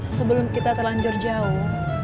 sebelum kita terlanjur jauh